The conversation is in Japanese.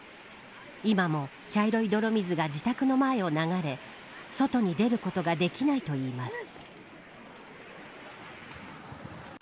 今も茶色い泥水が自宅の前を流れ外に出ることができないといいます。